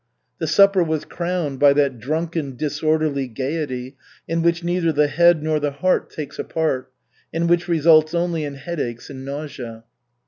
The supper was crowned by that drunken, disorderly gaiety in which neither the head nor the heart takes a part, and which results only in headaches and nausea.